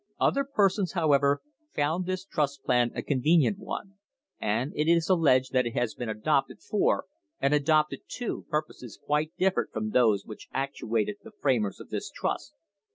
"Other persons, however, found this trust plan a convenient one, and it is alleged that it has been adopted for and adapted to purposes quite different from those which actuated the framers of this trust.